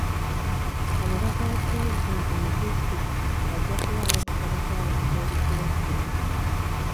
Omubaka wa pulezidenti mu disitulikiti ajja kuwaayo okusaba kw'abantu eri pulezidenti.